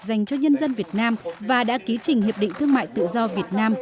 dành cho nhân dân việt nam và đã ký trình hiệp định thương mại tự do việt nam